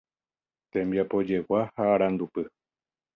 Tembiapojegua ha Arandupy